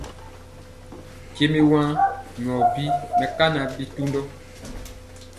Jɛ mi wan nyɔ bi mɛkana bitundɔ.